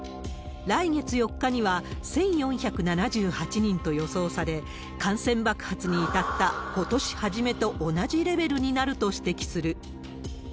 来月４日には１４７８人と予想され、感染爆発に至ったことし初めと同じレベルとなると指摘する。